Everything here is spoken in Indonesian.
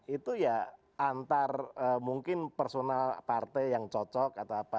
itu ya antar mungkin personal partai yang cocok atau apa